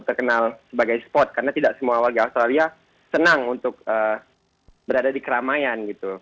terkenal sebagai spot karena tidak semua warga australia senang untuk berada di keramaian gitu